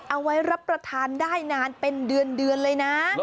รับประทานได้นานเป็นเดือนเลยนะ